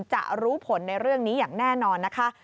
จะรู้ผลในเรื่องนี้อย่างแน่นอนนะคะ